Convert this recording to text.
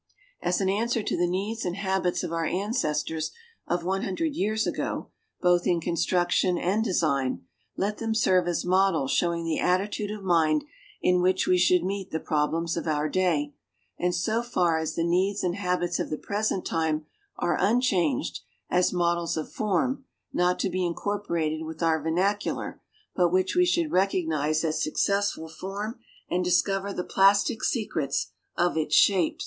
As an answer to the needs and habits of our ancestors of one hundred years ago both in construction and design let them serve us as models showing the attitude of mind in which we should meet the problems of our day and so far as the needs and habits of the present time are unchanged, as models of form, not to be incorporated with our vernacular, but which we should recognise as successful form, and discover the plastic secrets of its shape.